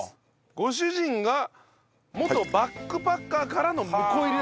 ご主人が元バックパッカーからの婿入りですね。